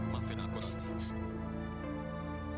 kamu tergagi berisik tahu gak sih